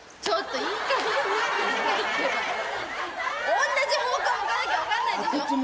おんなじ方向向かなきゃ分かんないでしょ。